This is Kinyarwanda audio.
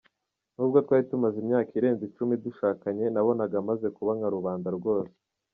Nubwo twari tumaze imyaka irenze icumi dushakanye, nabonaga amaze kuba nka rubanda rwose.